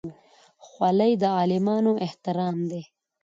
خولۍ د عالمانو احترام دی.